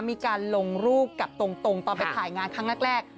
มีการลงรูปกับตรงตอนไปถ่ายงานครั้งแรก